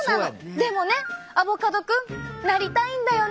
でもねアボカドくんなりたいんだよね